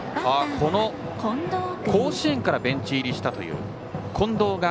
この甲子園からベンチ入りした近藤が